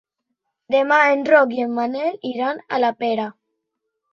Demà en Roc i en Manel iran a la Pera.